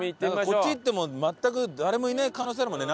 こっち行っても全く誰もいない可能性あるもんね